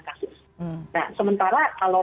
kasus nah sementara kalau